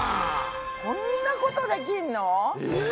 こんなことできんの？え！？